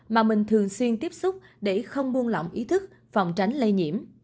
mà mình thường xuyên tiếp xúc để không buông lỏng ý thức phòng tránh lây nhiễm